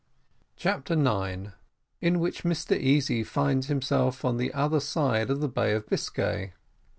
CHAPTER NINE. IN WHICH MR. EASY FINDS HIMSELF ON THE OTHER SIDE OF THE BAY OF BISCAY.